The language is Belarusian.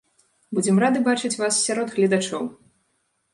Будзем рады бачыць вас сярод гледачоў!